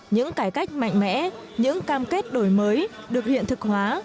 những cải cách mạnh mẽ những cam kết đổi mới được hiện thực hóa